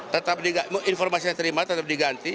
tetap informasi yang terima tetap diganti